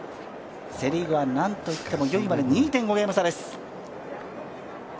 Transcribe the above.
セ・リーグは何といっても４位まで２．５ゲーム差です。